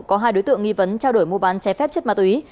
tổ dân tổ có hai đối tượng nghi vấn trao đổi mua bán trái phép chất ma túy